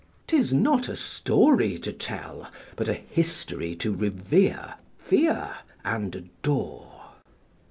'Tis, not a story to tell, but a history to revere, fear, and adore.